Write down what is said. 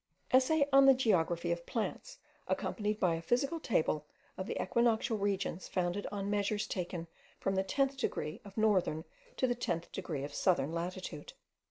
ESSAY ON THE GEOGRAPHY OF PLANTS, ACCOMPANIED BY A PHYSICAL TABLE OF THE EQUINOCTIAL REGIONS, FOUNDED ON MEASURES TAKEN FROM THE TENTH DEGREE OF NORTHERN TO THE TENTH DEGREE OF SOUTHERN LATITUDE.